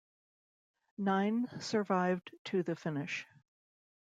Nine survived to the finish.